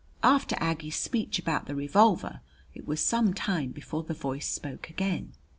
After Aggie's speech about the revolver it was some time before the voice spoke again.